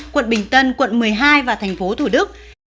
quận bình tân quận một mươi hai và thành phố thủ đức